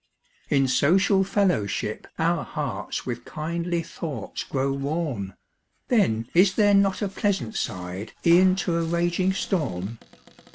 In social fellowship, our hearts With kindly thoughts grow warm; Then is there not a pleasant side, E'en to a raging storm?